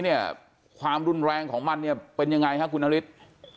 เนี่ยความรุนแรงของมันเนี่ยเป็นยังไงฮะคุณนฤทธิ์